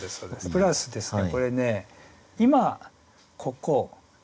プラスですね